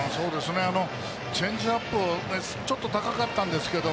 チェンジアップちょっと高かったんですけど